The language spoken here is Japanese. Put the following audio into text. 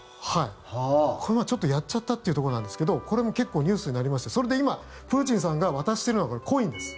これはちょっとやっちゃったというところなんですけどこれも結構ニュースになりましてそれで今、プーチンさんが渡してるのがコインです。